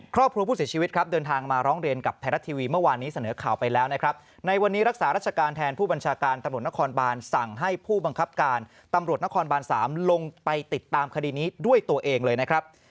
ครอบครัวผู้เสียชีวิตครับเดินทางมาร้องเรียนกับไทยรัฐทีวีเมื่อวานนี้เสนอข่าวไปแล้วนะครับในวันนี้รักษารัชการแทนผู้บัญชาการตำรวจนครบานสั่งให้ผู้บังคับการตำรวจนครบาน๓ลงไปติดตามคดีนี้ด้วยตัวเองเลยนะครับ